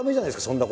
そんな。